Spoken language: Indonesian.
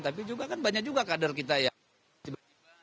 tapi juga kan banyak juga kader kita yang tiba tiba